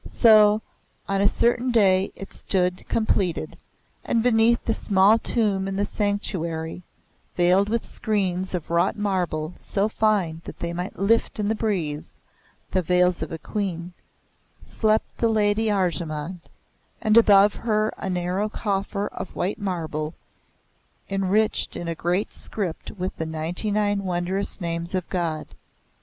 So on a certain day it stood completed, and beneath the small tomb in the sanctuary, veiled with screens of wrought marble so fine that they might lift in the breeze, the veils of a Queen, slept the Lady Arjemand; and above her a narrow coffer of white marble, enriched in a great script with the Ninety Nine Wondrous Names of God.